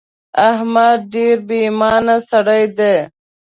احمد ډېر بې ايمانه سړی دی.